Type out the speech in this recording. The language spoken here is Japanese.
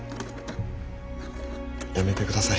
やめてください